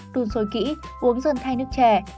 đun sôi kỹ uống dần thay nước chè